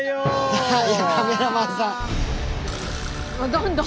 どんどん。